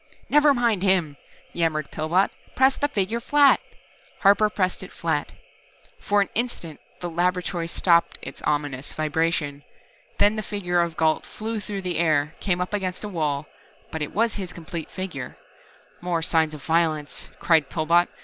"Never mind him," yammered Pillbot. "Press the figure flat!" Harper pressed it flat. For an instant the laboratory stopped its ominous vibration. Then the figure of Gault flew through the air, came up against a wall but it was his complete figure. "More signs of violence," cried Pillbot.